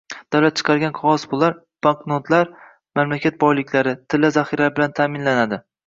Davlat chiqargan qog‘oz pullar – banknotalar mamlakat boyliklari, tilla zahiralari bilan taʼminlanadi.